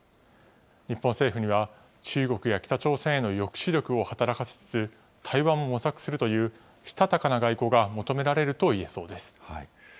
日本政府には中国や北朝鮮への抑止力を働かせつつ対話も模索するという、したたかな外交が求められると言えそうです。